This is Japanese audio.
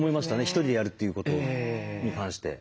ひとりでやるっていうことに関して。